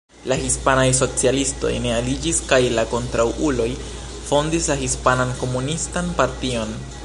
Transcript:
La hispanaj socialistoj ne aliĝis kaj la kontraŭuloj fondis la Hispanan Komunistan Partion.